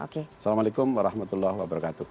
assalamualaikum warahmatullahi wabarakatuh